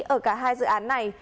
ở cả hai dự án này